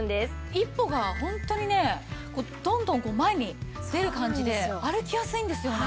一歩がホントにねどんどん前に出る感じで歩きやすいんですよね。